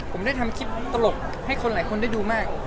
ผมได้ทำคลิปตลกให้คนหลายคนได้ดูมาก